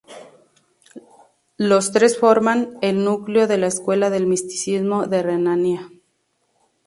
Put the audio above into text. Los tres forman el núcleo de la escuela de misticismo de Renania.